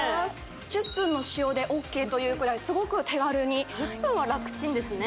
１０分の使用でＯＫというくらいすごく手軽に・１０分はラクちんですね